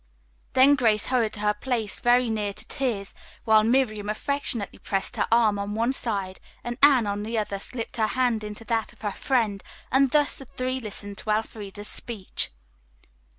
Then Grace hurried to her place very near to tears, while Miriam affectionately pressed her arm on one side and Anne, on the other, slipped her hand into that of her friend, and thus the three listened to Elfreda's speech.